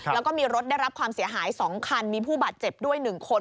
แล้วก็มีรถได้รับความเสียหาย๒คันมีผู้บาดเจ็บด้วย๑คน